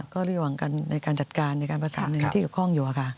ก็ระหว่างในการจัดการในการประสานในหน้าที่ข้องอยู่ค่ะ